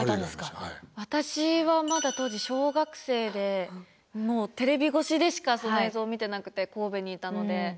私はまだ当時小学生でもうテレビ越しでしかその映像を見てなくて神戸にいたので。